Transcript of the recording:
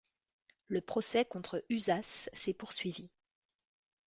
Le procès contre Ūsas s'est poursuivi.